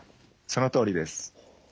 そのとおりです。